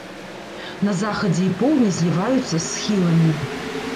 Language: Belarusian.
На захадзе і поўдні зліваюцца з схіламі.